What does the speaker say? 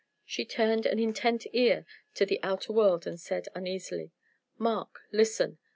She turned an intent ear to the outer world and said, uneasily: "Mark, listen!